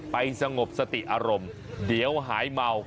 สงบสติอารมณ์เดี๋ยวหายเมา